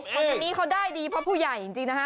เพราะวันนี้เขาได้ดีเพราะผู้ใหญ่จริงนะคะ